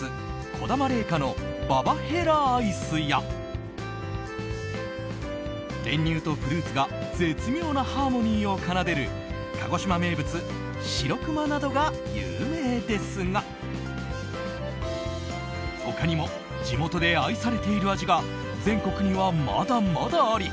児玉冷菓のババヘラアイスや練乳とフルーツが絶妙なハーモニーを奏でる鹿児島名物、白くまなどが有名ですが他にも、地元で愛されている味が全国にはまだまだあり